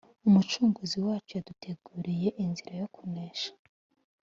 Umucunguzi wacu yaduteguriye inzira yo kunesha